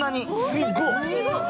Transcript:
すごっ！